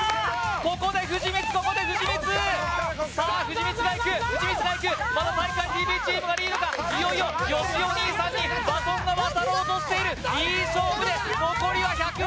ここで藤光ここで藤光さあ藤光がいく藤光がいくまだ体育会ＴＶチームがリードかいよいよよしお兄さんにバトンが渡ろうとしているいい勝負で残りは１００ｍ